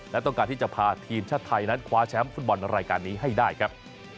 และต้องการที่จะพาทีมชาติไทยนั้นคว้าแชมป์ฟุตบอลรายการนี้ให้ได้ครับ